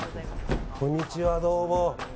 こんにちは、どうも。